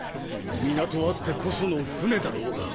港あってこその船だろうが。